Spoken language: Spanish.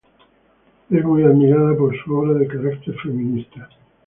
Es muy admirada por su obra, de carácter feminista.